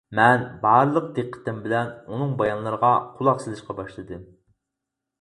مەن بارلىق دىققىتىم بىلەن ئۇنىڭ بايانلىرىغا قۇلاق سېلىشقا باشلىدىم.